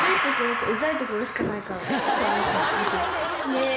ねえ。